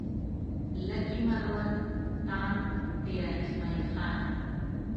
لکي مروت ټانک ډېره اسماعيل خان